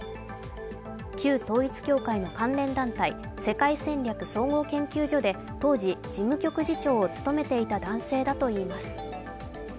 旧統一教会の関連団体、世界戦略総合研究所で当時、事務局次長を務めていた男性だといいます。